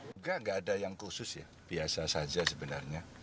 tidak ada yang khusus ya biasa saja sebenarnya